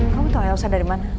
kamu tahu elsa dari mana